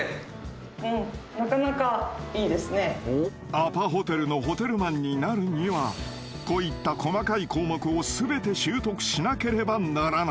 ［アパホテルのホテルマンになるにはこういった細かい項目を全て習得しなければならない］